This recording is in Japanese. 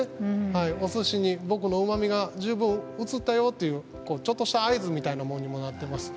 お寿司に僕のうまみが十分移ったよっていうちょっとした合図みたいなもんにもなってます。